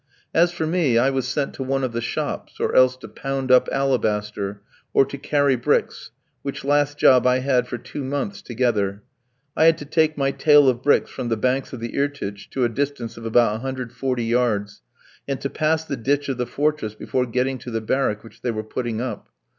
As for me, I was sent to one of the shops, or else to pound up alabaster, or to carry bricks, which last job I had for two months together. I had to take my tale of bricks from the banks of the Irtych to a distance of about 140 yards, and to pass the ditch of the fortress before getting to the barrack which they were putting up.